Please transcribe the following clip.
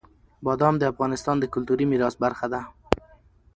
بادام د افغانستان د کلتوري میراث برخه ده.